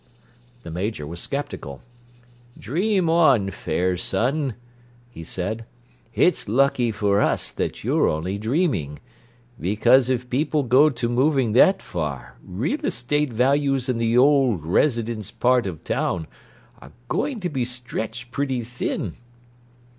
The Major was skeptical. "Dream on, fair son!" he said. "It's lucky for us that you're only dreaming; because if people go to moving that far, real estate values in the old residence part of town are going to be stretched pretty thin."